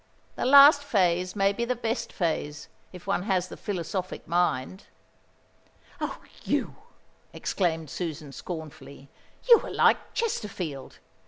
The last phase may be the best phase, if one has the philosophic mind." "Oh, you," exclaimed Susan scornfully, "you are like Chesterfield.